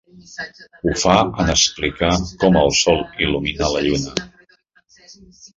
Ho fa en explicar com el Sol il·lumina la Lluna.